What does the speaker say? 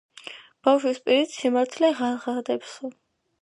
ბავშვის პირით სიმართლე ღაღადებსო!